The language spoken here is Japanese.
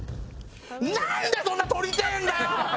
なんでそんな撮りてえんだよ！